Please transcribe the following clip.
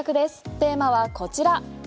テーマはこちら。